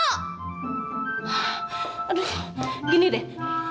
aduh gini deh